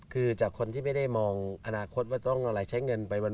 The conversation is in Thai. คือจากคนที่ไม่ได้มองอนาคตว่าต้องอะไรใช้เงินไปวัน